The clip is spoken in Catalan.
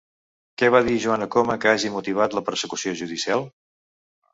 Què va dir Joan Coma que hagi motivat la persecució judicial?